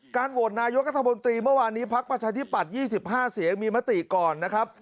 โหวตนายกัธมนตรีเมื่อวานนี้พักประชาธิปัตย์๒๕เสียงมีมติก่อนนะครับ